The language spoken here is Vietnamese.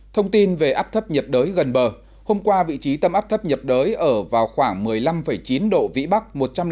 thông tin về áp thấp nhiệt đới gần bờ hôm qua vị trí tâm áp thấp nhiệt đới ở vào khoảng một mươi năm chín độ vĩ bắc